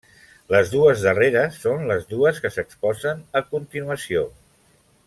Les dues darreres són les dues que s'exposen a continuació.